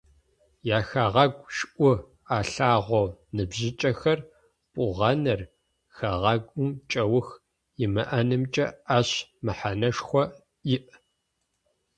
Яхэгъэгу шӏу алъэгъоу ныбжьыкӏэхэр пӏугъэныр, хэгъэгум кӏэух имыӏэнымкӏэ ащ мэхьанэшхо иӏ.